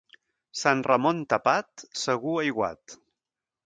Sant Ramon tapat, segur aiguat.